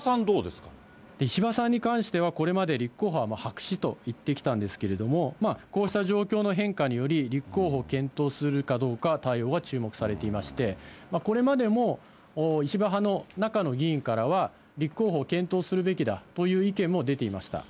石破さんに関しては、これまで立候補は白紙と言ってきたんですけれども、こうした状況の変化により、立候補を検討するかどうか、対応が注目されていまして、これまでも石破派の中の議員からは、立候補を検討するべきだという意見も出ていました。